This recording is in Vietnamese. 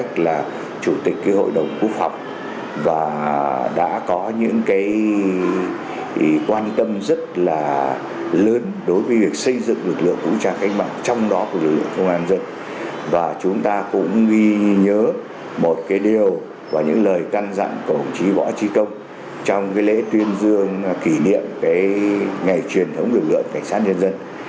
chủ tịch hội đồng quốc phòng chủ tịch hội đồng quốc phòng chủ tịch hội đồng quốc phòng